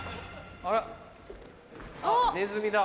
あらあっネズミだ。